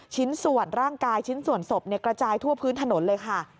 ชิ้นส่วนร่างกายชิ้นส่วนศพกระจายทั่วพื้นถนนเลยค่ะ